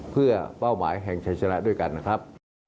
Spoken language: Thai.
เพื่อเป้าหมายแห่งชัยชนะด้วยกันนะครับ